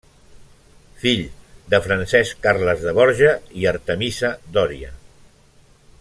Fill de Francesc Carles de Borja i Artemisa Dòria.